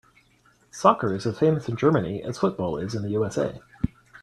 Soccer is as famous in Germany as football is in the USA.